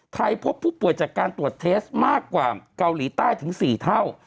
พบผู้ป่วยจากการตรวจเทสมากกว่าเกาหลีใต้ถึง๔เท่า